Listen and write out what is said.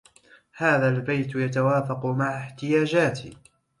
هذا البيت يتوافق مع احتياجاتي